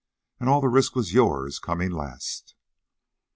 And all the risk was yours, coming last."